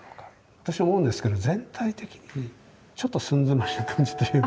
私は思うんですけど全体的にちょっと寸詰まりな感じというか。